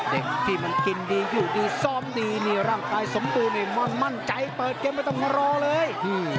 เด็กที่มันกินดียุดดีซ่อมดีร่างกายสมบูรณ์มั่นใจเปิดเกมไม่ต้องกระโลเลย